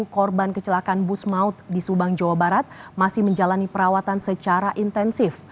korban kecelakaan bus maut di subang jawa barat masih menjalani perawatan secara intensif